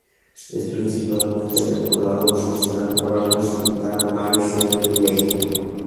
Es principalmente recordado por su gran trabajo en pintar a Mary Shelley.